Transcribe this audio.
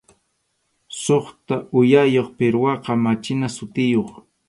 Suqta uyayuq pirwaqa machina sutiyuq.